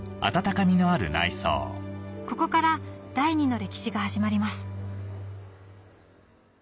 ここから第２の歴史が始まります